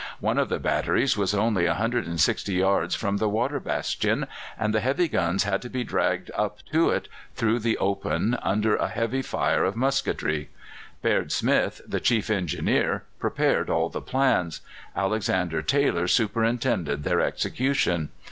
One of the batteries was only 160 yards from the Water Bastion, and the heavy guns had to be dragged up to it, through the open, under a heavy fire of musketry. Baird Smith, the Chief Engineer, prepared all the plans; Alexander Taylor superintended their execution.